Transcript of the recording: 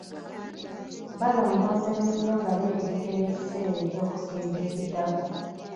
Balongoosa ennimiro nga beetegekera ekiseera eky'okusimba ekiddako.